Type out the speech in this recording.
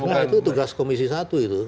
nah itu tugas komisi satu itu